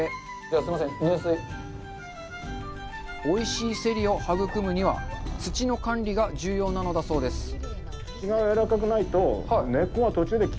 おいしいせりを育むには土の管理が重要なのだそうです。